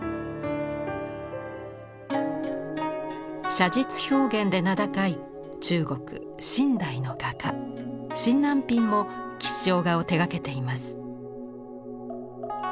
写実表現で名高い中国・清代の画家沈南蘋も吉祥画を手がけています。